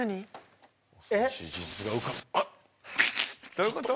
どういうこと？